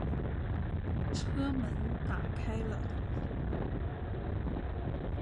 车门打开了